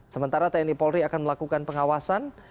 sementara tni polri akan melakukan pengawasan